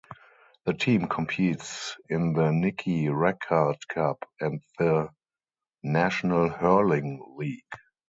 The team competes in the Nicky Rackard Cup and the National Hurling League.